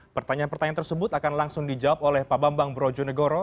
pertanyaan pertanyaan tersebut akan langsung dijawab oleh pak bambang brojonegoro